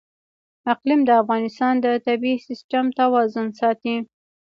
اقلیم د افغانستان د طبعي سیسټم توازن ساتي.